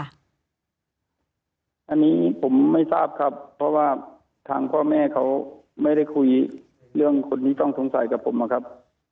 อันนี้ผมไม่ทราบครับเพราะว่าทางพ่อแม่เขาไม่ได้คุยเรื่องคนที่ต้องสงสัยกับผมอะครับ